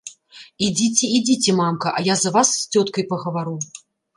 Ідзіце, ідзіце, мамка, а я за вас з цёткай пагавару.